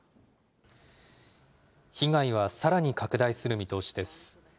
被害はさらに拡大する見通しです。